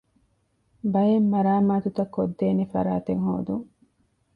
ބައެއް މަރާމާތުތައް ކޮށްދޭނެ ފަރާތެއް ހޯދުން